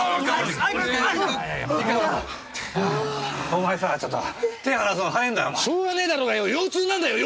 しょうがねえだろうがよ